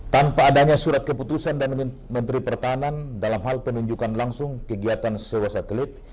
tanpa adanya surat keputusan dan menteri pertahanan dalam hal penunjukan langsung kegiatan sewa satelit